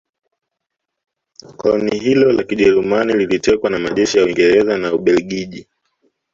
koloni hilo la Kijerumani lilitekwa na majeshi ya Uingereza na Ubelgiji